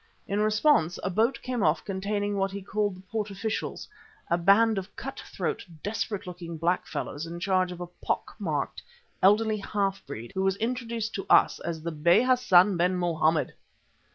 In response a boat came off containing what he called the Port officials, a band of cut throat, desperate looking, black fellows in charge of a pock marked, elderly half breed who was introduced to us as the Bey Hassan ben Mohammed.